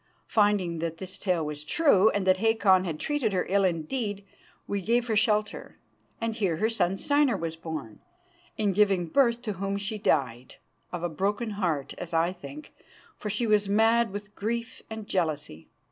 Finding that this tale was true, and that Hakon had treated her ill indeed, we gave her shelter, and here her son Steinar was born, in giving birth to whom she died of a broken heart, as I think, for she was mad with grief and jealousy.